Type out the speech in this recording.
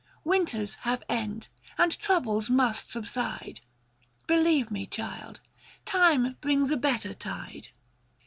Winters have end, and troubles must subside ; Believe me child, Time brings a better tide.